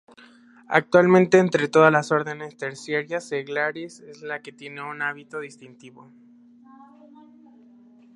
Actualmente entre todas la Ordenes Terciarias Seglares es la que tiene un hábito distintivo.